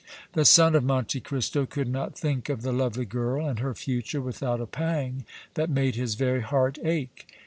The son of Monte Cristo could not think of the lovely girl and her future without a pang that made his very heart ache.